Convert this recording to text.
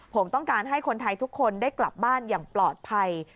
ผมต้องการให้คนไทยทุกคนได้กลับบ้านอย่างปลอดภัย